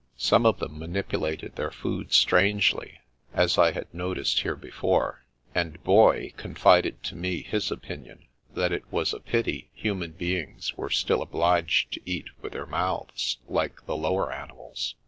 Some of them manipulated their food strangely, as I had noticed here before; and Boy confided to me his opinion that it was a pity human beings were still obliged to eat with their mouths, like the lower animals.